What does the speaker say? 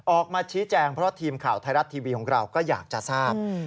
ออกมาชี้แจงเพราะทีมข่าวไทยรัฐทีวีของเราก็อยากจะทราบ